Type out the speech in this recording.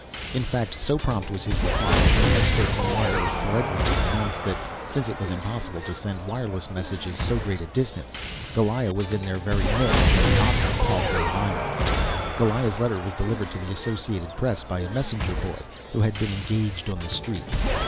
In fact, so prompt was his reply that the experts in wireless telegraphy announced that, since it was impossible to send wireless messages so great a distance, Goliah was in their very midst and not on Palgrave Island. Goliah's letter was delivered to the Associated Press by a messenger boy who had been engaged on the street.